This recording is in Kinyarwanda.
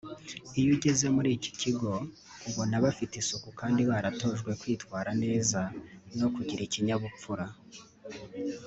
Iyo ugeze muri iki kigo ubona bafite isuku kandi baratojwe kwitwara neza no kugira ikinyabupfura